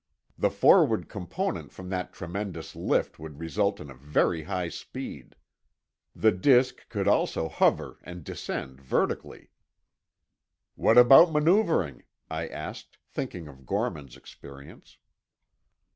The forward component from that tremendous lift would result in a very high speed. The disk could also hover, and descend vertically." "What about maneuvering?" I asked, thinking of Gorman's experience.